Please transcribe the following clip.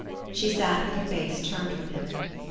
She sat with her face turned from him.